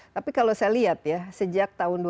tapi kalau saya lihat ya sejak tahun dua ribu